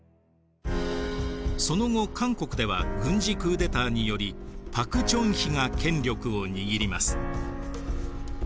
その後韓国では軍事クーデターにより朴正煕が権力を握ります。